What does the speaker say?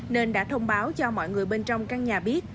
nên đã thông báo cho mọi người bên trong căn nhà biết